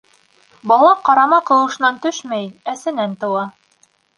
Бала ҡарама ҡыуышынан төшмәй, әсәнән тыуа.